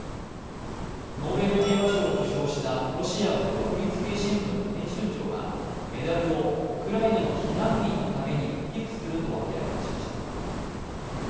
ノーベル平和賞を受賞したロシアの独立系新聞の編集長がメダルをウクライナの避難民のために寄付すると明らかにしました。